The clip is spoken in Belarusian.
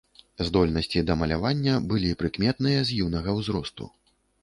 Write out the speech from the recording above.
Здольнасці да малявання былі прыкметныя з юнага ўзросту.